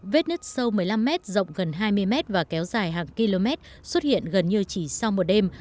vết nứt sâu một mươi năm m rộng gần hai mươi m và kéo dài hàng km xuất hiện gần như chỉ sau một đêm